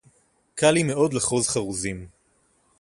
קל לי מאוד לחרוז חרוזים.